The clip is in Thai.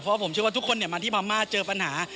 เพราะผมเชื่อว่าทุกคนมาที่พม่าเจอปัญหา